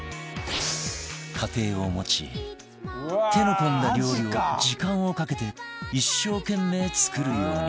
家庭を持ち手の込んだ料理を時間をかけて一生懸命作るように